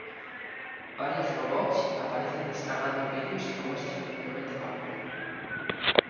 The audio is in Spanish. Varios robots aparecen descargando videos que muestran 'The Red Army'.